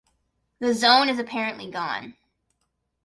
The Zone is apparently gone.